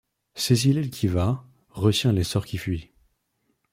Saisit l’aile qui va, retient l’essor qui fuit